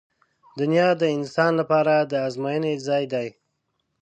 • دنیا د انسان لپاره د ازموینې ځای دی.